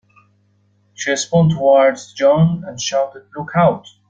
She spun towards John and shouted, "Look Out!"